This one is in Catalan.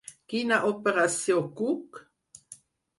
Quina operació Cook?